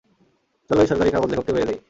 চলো এই সরকারি কাগজ লেখককে মেরে দেই।